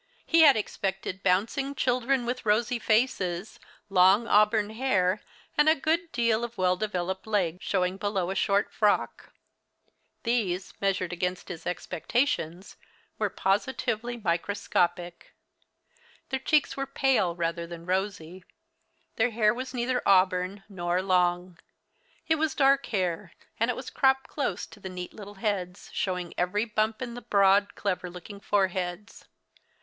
He had expected bouncing children with rosy faces, long auburn hair, and a good deal of well developed leg showing beneath a short frock. These, measured against his expectations, were positively microscopic. Their cheeks were pale rather than rosy. Their hair was neither auburn nor long. It was dark hair, and it was cropped close to the neat little heads, showing every bump in the broad, clever looking foreheads.